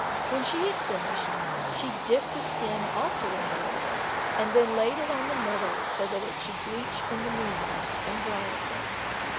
When she had finished, she dipped the skin also in the water, and then laid it on the meadow, so that it should bleach in the moonlight, and dry again.